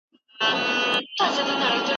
ایا ته په خپله موضوع کي کوم بل ماخذ پیژنې؟